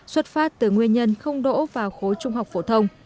xuất phát từ nguyên nhân không đỗ vào khối trung học phổ thông